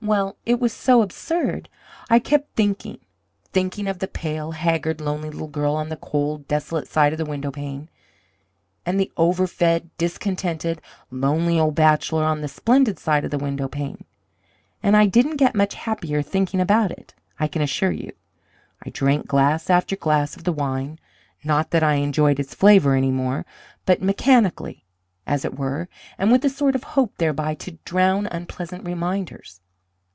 Well, it was so absurd! I kept thinking, thinking of the pale, haggard, lonely little girl on the cold and desolate side of the window pane, and the over fed, discontented, lonely old bachelor on the splendid side of the window pane, and I didn't get much happier thinking about it, I can assure you. I drank glass after glass of the wine not that I enjoyed its flavour any more, but mechanically, as it were, and with a sort of hope thereby to drown unpleasant reminders.